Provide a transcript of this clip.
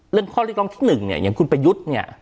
เรื่องข้อเรียกร้องที่๑เนี่ยอย่างคุณประยุทธ์เนี่ย